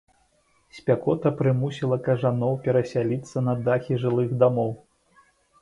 Спякота прымусіла кажаноў перасяліцца на дахі жылых дамоў.